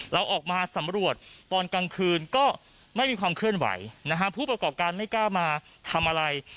เราออกมาสำรวจตอนกลางคืนก็ไม่มีความเคลื่อนไหวนะฮะผู้ประกอบการไม่กล้ามาทำอะไร